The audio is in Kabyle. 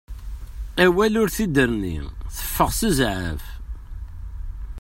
Awal ur t-id-terni, teffeɣ s zɛaf.